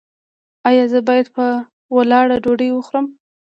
ایا زه باید په ولاړه ډوډۍ وخورم؟